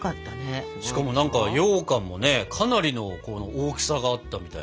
しかもようかんもねかなりの大きさがあったみたいな。